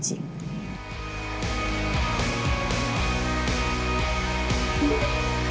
พี่ต้องโฟกัสแต่ขอให้ตอบแทนสังคม